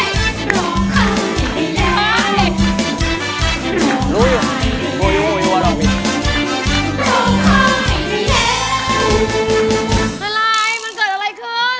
อะไรมันเกิดอะไรขึ้น